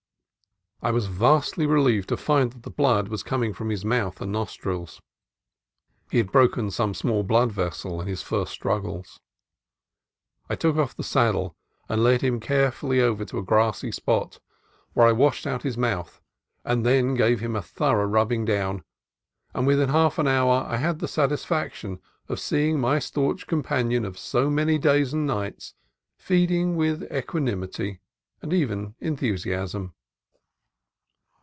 I was vastly relieved to find that the blood was coming from his mouth and nostrils. He had broken some small blood vessel in his first struggles. I took off the saddle and led him carefully over to a grassy AN ADVENTURE WITH QUICKSAND 109 spot, where I washed out his mouth and then gave him a thorough rubbing down; and within half an hour I had the satisfaction of seeing my staunch companion of so many days and nights feeding with equanimity and even enthusiasm.